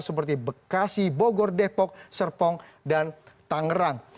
seperti bekasi bogor depok serpong dan tangerang